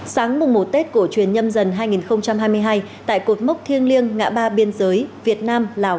sáng mùng một tết cổ truyền nhâm dần hai nghìn hai mươi hai tại cột mốc thiêng liêng ngã ba biên giới việt nam lào